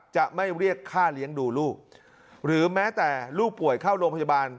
จะไม่เรียกค่าเลี้ยงดูลูกหรือแม้แต่ลูกป่วยเข้าโรงพยาบาล